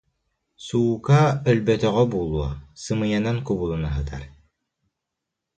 Суука, өлбөтөҕө буолуо, сымыйанан кубулуна сытар